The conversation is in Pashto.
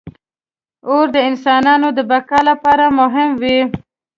• اور د انسانانو د بقا لپاره مهم و.